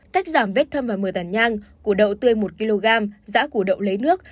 tách giảm vết thâm và mưa tàn nhang củ đậu tươi một kg dã củ đậu lấy nước